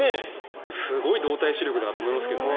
すごい動体視力だなと思いますけどね。